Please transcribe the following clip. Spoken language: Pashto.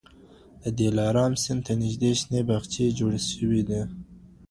د دلارام سیند ته نږدې شنې باغچې جوړي سوي دي.